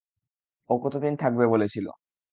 ও কতদিন থাকবে বলেছিল?